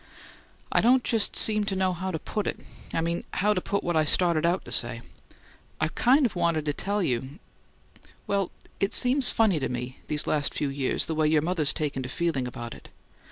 "I don't just seem to know how to put it I mean how to put what I started out to say. I kind of wanted to tell you well, it seems funny to me, these last few years, the way your mother's taken to feeling about it.